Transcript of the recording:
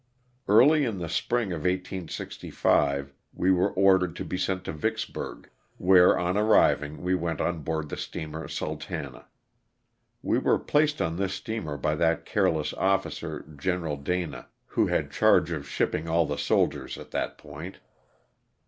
Early in the spring of 1865 we were ordered to be sent to Vicksburg, where on arriving we went on board the steamer ''Sultana." We were placed on this steamer by that careless officer. Gen Dana, who had charge of shipping all the soldiers at that point.